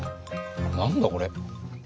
何だこれ。